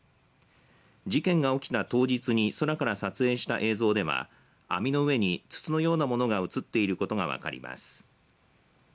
事件が起きた当日に空から撮影した映像では網の上に筒のような物が写っていることが分かります。